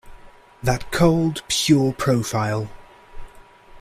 That cold, pure profile.